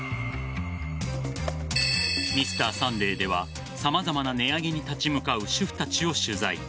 「Ｍｒ．サンデー」では様々な値上げに立ち向かう主婦たちを取材。